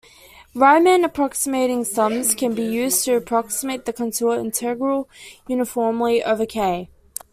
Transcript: Riemann approximating sums can be used to approximate the contour integral uniformly over "K".